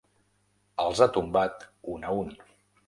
Els ha tombat un a un.